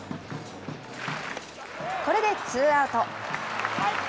これでツーアウト。